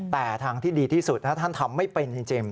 แต่ทางที่ดีที่สุดถ้าท่านทำไม่เป็นจริง